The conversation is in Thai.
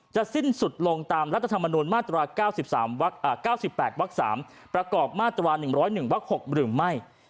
สิ้นสุดลงตามรัฐธรรมนุนมาตรา๙๘วัก๓ประกอบมาตรา๑๐๑วัก๖หรือไม่